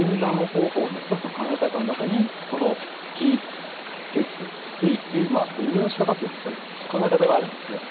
方法の一つの考え方の中にこの気・血・水という分類のしかたっていうんですかね考え方があるんですね。